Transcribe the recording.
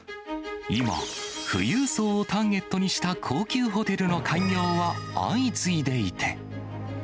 今、富裕層をターゲットにした高級ホテルの開業は相次いでいて。